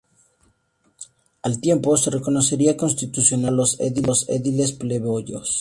Al tiempo, se reconocería constitucionalidad a los ediles plebeyos.